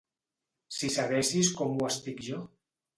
—Si sabessis com ho estic jo…